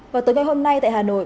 và tới ngày hôm nay tại hà nội